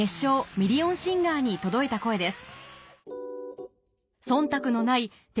ミリオンシンガー』に届いた声です